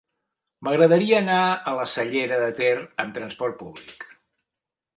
M'agradaria anar a la Cellera de Ter amb trasport públic.